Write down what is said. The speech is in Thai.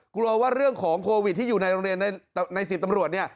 กลัวว่าเรื่องของโควิดที่อยู่ในโรงเรียนใน๑๐ตำรวจเนี่ย